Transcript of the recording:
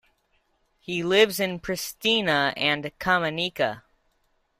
He lives in Pristina and Kamenica.